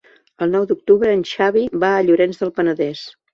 El nou d'octubre en Xavi va a Llorenç del Penedès.